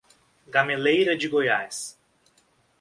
Gameleira de Goiás